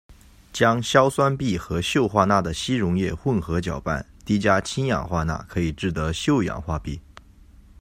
将硝酸铋和溴化钠的稀溶液混合搅拌，滴加氢氧化钠，可以制得溴氧化铋。